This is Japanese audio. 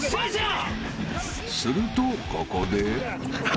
［するとここで］